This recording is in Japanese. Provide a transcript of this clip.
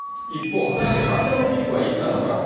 一方、果たして感染のピークはいつなのか。